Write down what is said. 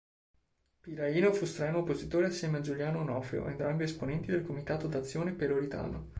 Piraino fu strenuo oppositore assieme a Giuliano Onofrio, entrambi esponenti del Comitato d'Azione peloritano.